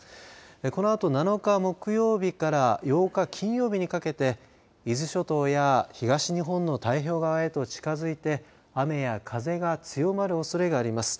このあと７日、木曜日から８日、金曜日にかけて伊豆諸島や東日本の太平洋側へと近づいて雨や風が強まるおそれがあります。